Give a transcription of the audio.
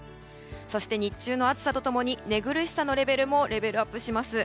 そして日中の暑さと共に寝苦しさもレベルアップします。